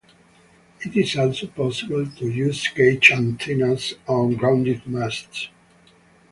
It is also possible to use cage antennas on grounded masts.